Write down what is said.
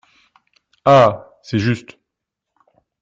Ah ! c’est juste.